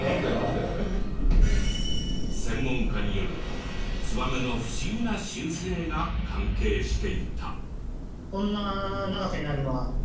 専門家によるとツバメの不思議な習性が関係していた。